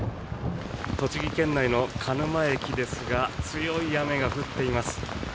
栃木県内の鹿沼駅ですが強い雨が降っています。